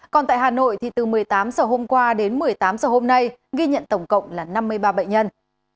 còn tại hà nội thì từ một mươi tám h hôm qua đến một mươi tám h hôm nay ghi nhận tổng cộng là năm mươi ba bệnh nhân